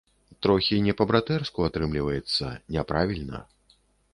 Трохі не па-братэрску атрымліваецца, няправільна.